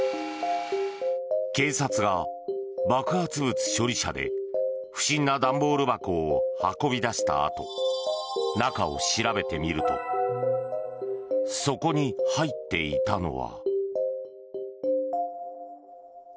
警察が爆発物処理車で不審な段ボール箱を運び出したあと中を調べてみるとそこに入っていたのは。